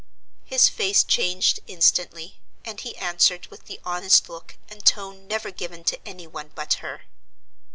His face changed instantly, and he answered with the honest look and tone never given to any one but her.